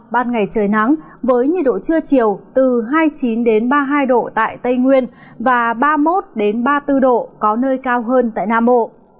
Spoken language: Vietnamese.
ban ngày trời nắng với nhiệt độ trưa chiều từ hai mươi chín ba mươi hai độ tại tây nguyên và ba mươi một ba mươi bốn độ có nơi cao hơn tại nam bộ